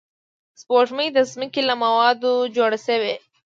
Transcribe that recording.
سپوږمۍ د ځمکې له موادو جوړه شوې